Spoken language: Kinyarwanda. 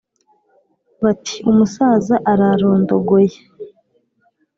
bati : umusaza ararondogoye.